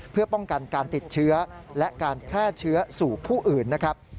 เพื่อป้องกันการติดเชื้อและการแพร่เชื้อสู่ผู้อื่นนะครับ